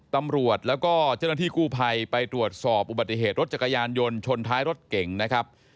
ตำรวจแล้วก็เจ้าหน้าที่กู้ภัยไปตรวจสอบอุบัติเหตุรถจักรยานยนต์ชนท้ายรถเก่งนะครับ